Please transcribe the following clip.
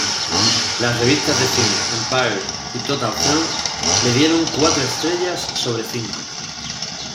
Las revistas de cine "Empire" y "Total Film" le dieron cuatro estrellas sobre cinco.